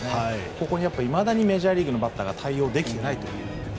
ここにいまだにメジャーリーグのバッターが対応できないと。